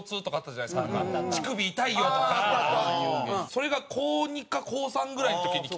それが高２か高３ぐらいの時にきたので。